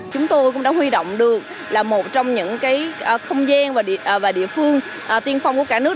chúng tôi cũng đã huy động được là một trong những không gian và địa phương tiên phong của cả nước